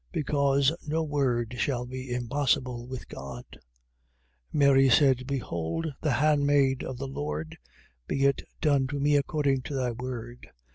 1:37. Because no word shall be impossible with God. 1:38. And Mary said: Behold the handmaid of the Lord: be it done to me according to thy word.